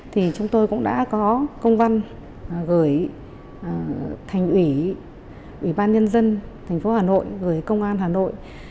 thì chúng tôi cũng đã có công văn gửi thành ủy ủy ban nhân dân thành phố hà nội gửi công an hà nội